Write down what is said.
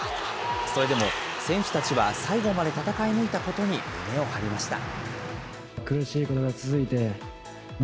それでも、選手たちは最後まで戦い抜いたことに、胸を張りました。